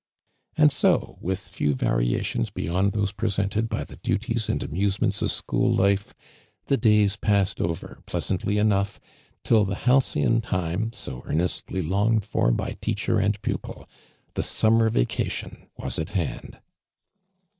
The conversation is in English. And so, witii few variations beyond tlMs,. pi'f'sented by the duties and amusenient. i of school life, tlu^ days passed over, pleasantly enougli, till tho halcyon time, so earnestly longed for by teacher ami piii>il, the summer vacation, was at hand.